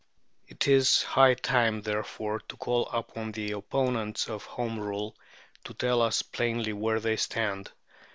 It is, high time, therefore, to call upon the opponents of Home Rule to tell us plainly where they stand.